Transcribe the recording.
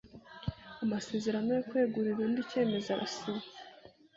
amasezerano yo kwegurira undi icyemezo arasinywa